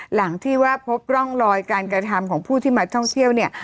หลังที่ว่าพบร่องรอยการกระทำของผู้ที่มาท่องเที่ยวเนี่ย